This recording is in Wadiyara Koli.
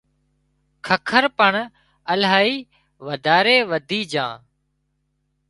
ککر پڻ الاهي وڌاري وڌِي جھان